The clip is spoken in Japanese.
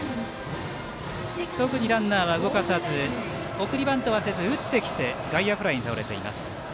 特にランナーは動かさず送りバントはせず打ってきて外野フライに倒れています。